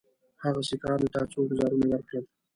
هغه سیکهانو ته څو ګوزارونه ورکړل.